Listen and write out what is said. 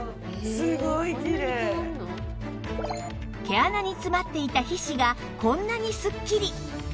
毛穴に詰まっていた皮脂がこんなにすっきり